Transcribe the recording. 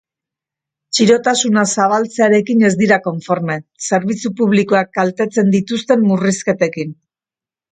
Txirotasuna zabaltzearekin ez dira konforme, zerbitzu publikoak kaltetzen dituzten murrizketekin.